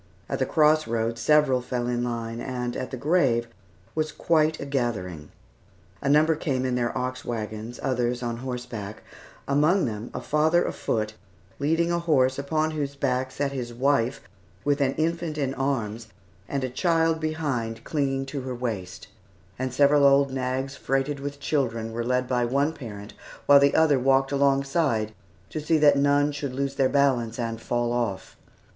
At the cross road several fell in line, and at the grave was quite a gathering. A number came in their ox wagons, others on horseback; among them, a father afoot, leading a horse upon whose back sat his wife with an infant in arms and a child behind clinging to her waist; and several old nags, freighted with children, were led by one parent, while the other walked alongside to see that none should lose their balance and fall off.